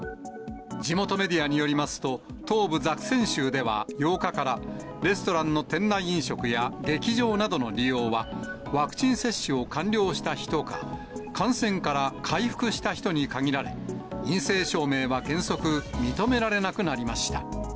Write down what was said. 地元メディアによりますと、東部ザクセン州では８日から、レストランの店内飲食や劇場などの利用はワクチン接種を完了した人か、感染から回復した人に限られ、陰性証明は原則認められなくなりました。